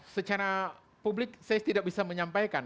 secara publik saya tidak bisa menyampaikan